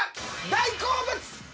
「大好物」。